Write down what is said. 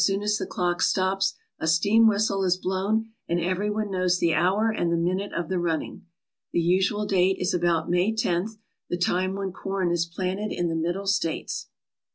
As soon as the clock stops a steam whistle is blown, and everyone knows the hour and the minute of the running. The usual date is about May loth, the time when corn is planted in the Middle States.